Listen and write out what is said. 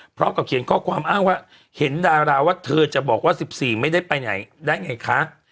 พร้อมกับเขียนข้อความอ้างว่าเห็นดาราว่าเธอจะบอกว่า๑๔ไม่ได้ไปไหนได้ไงคะ